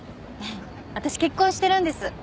私結婚してるんです。